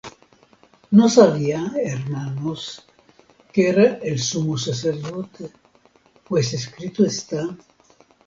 No sabía, hermanos, que era el sumo sacerdote; pues escrito está: